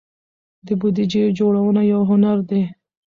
د بودیجې جوړونه یو هنر دی.